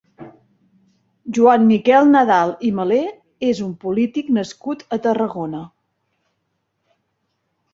Joan Miquel Nadal i Malé és un polític nascut a Tarragona.